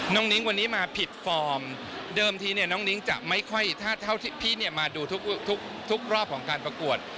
นิ้งวันนี้มาผิดฟอร์มเดิมทีเนี่ยน้องนิ้งจะไม่ค่อยถ้าเท่าที่พี่เนี่ยมาดูทุกรอบของการประกวด